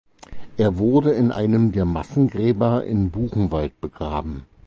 Er wurde in einem der Massengräber in Buchenwald begraben.